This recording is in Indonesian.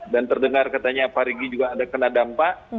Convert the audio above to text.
dan terdengar katanya parigi juga ada kena dampak